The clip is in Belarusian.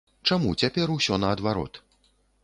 Чаму цяпер усё наадварот?